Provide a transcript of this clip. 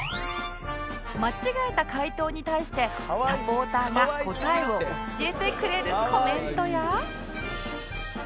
間違えた解答に対してサポーターが答えを教えてくれるコメントや